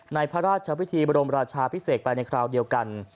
พระราชวิธีบรมราชาพิเศษไปในคราวเดียวกัน